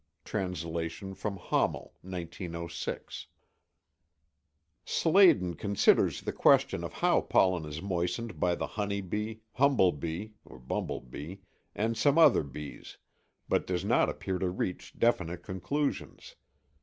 [Translation from Hommell, 1906.] Sladen considers the question of how pollen is moistened by the honey bee, humblebee (bumblebee), and some other bees, but does not appear to reach definite conclusions.